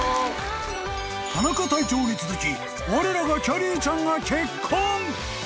［田中隊長に続きわれらがきゃりーちゃんが結婚］